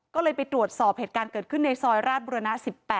ก็เลยไปตรวจสอบเหตุการณ์เกิดขึ้นในซอยราชบุรณะ๑๘